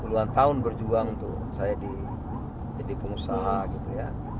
puluhan tahun berjuang untuk saya jadi pengusaha gitu ya